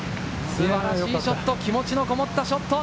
素晴らしいショット、気持ちのこもったショット。